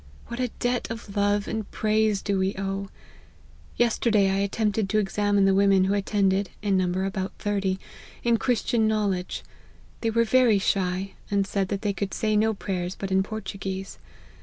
What a debt of love and praise do we owe ! Yesterday I attempted to examine the women who attended (in number about thirty,) in Christian knowledge ; they were very shy, and said that they could say no prayers but in Portuguese.